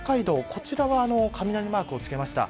こちらは、雷マークをつけました。